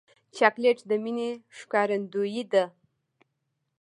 چاکلېټ د مینې ښکارندویي ده.